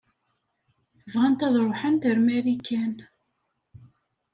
Bɣant ad ṛuḥent ar Marikan.